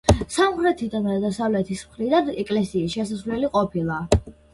სამხრეთიდან და დასავლეთის მხრიდან ეკლესიის შესასვლელი ყოფილა.